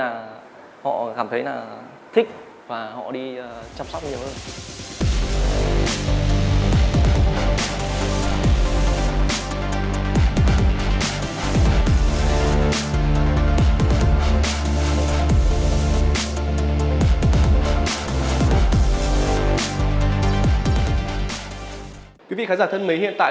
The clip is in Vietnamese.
quý vị khán giả thân mấy hiện tại tôi sẽ điều dùng chiếc xe này để tạo ra những sản phẩm đẹp cho khách hàng